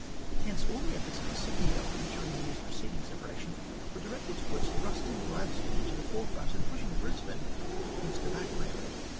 Hence, all the efforts of the Sydney Government during the years preceding separation were directed towards thrusting Gladstone into the forefront, and pushing Brisbane into the background.